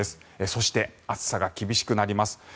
そして、暑さが厳しくなります。